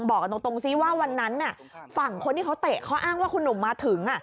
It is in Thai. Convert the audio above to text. บอกกันตรงซิว่าวันนั้นฝั่งคนที่เขาเตะเขาอ้างว่าคุณหนุ่มมาถึง